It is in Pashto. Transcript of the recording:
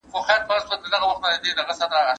ما پرون د موسیقۍ زده کړه وکړه.